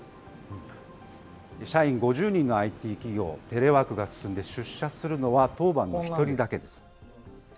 社員５０人のＩＴ企業、テレワークが進んで、出社するのは当番の１人だけです。